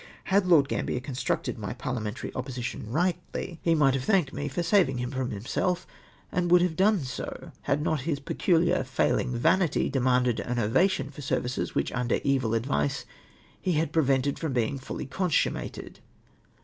Had Lord Gambler construed my parhamentary opposition rightly, he might 94 HIS INSINUATIONS AGAINST ME UNCALLED FOR. have thanked me for saving liim from himseh*, and would have done so, liad not liis pecuhar failing, vanity, demanded an ovation for services which under evil advice he had prevented from being fully consummated.